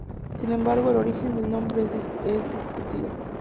Sin embargo, el origen del nombre es discutido.